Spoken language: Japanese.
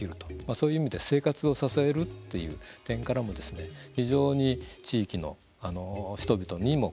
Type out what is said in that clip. そういう意味で生活を支えるという点からも非常に地域の人々にも